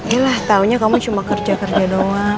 yalah tahunya kamu cuma kerja kerja doang